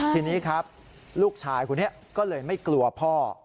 ทีนี้ครับลูกชายคนนี้ก็เลยไม่กลัวพ่อ